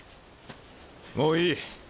もういい。